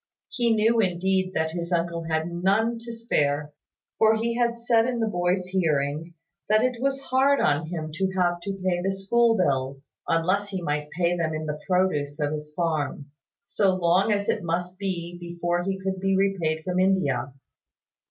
He knew indeed that his uncle had none to spare; for he had said in the boy's hearing, that it was hard on him to have to pay the school bills (unless he might pay them in the produce of his farm), so long as it must be before he could be repaid from India.